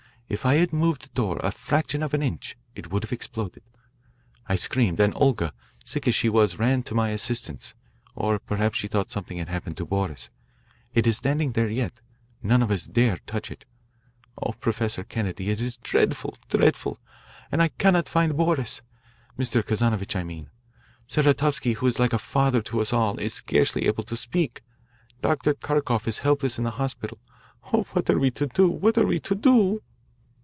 If I had moved the door a fraction of an inch it would have exploded. I screamed, and Olga, sick as she was, ran to my assistance or perhaps she thought something had happened to Boris. It is standing there yet. None of us dares touch it. Oh, Professor Kennedy, it is dreadful, dreadful. And I cannot find Boris Mr. Kazanovitch, I mean. Saratovsky, who is like a father to us all, is scarcely able to speak. Dr. Kharkoff is helpless in the hospital. Oh, what are we to do, what are we to do?"